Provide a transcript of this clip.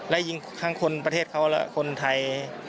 และยิงทั้งคนประเทศเขาและคนไทย